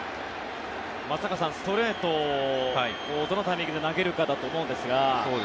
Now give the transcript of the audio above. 松坂さん、ストレートをどのタイミングで投げるかだと思うんですが。